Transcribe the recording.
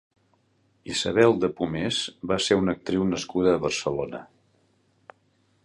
Isabel de Pomés va ser una actriu nascuda a Barcelona.